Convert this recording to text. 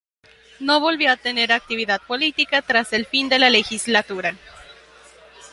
No volvió a tener actividad política tras el fin de la legislatura.